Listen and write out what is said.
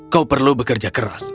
kau perlu bekerja keras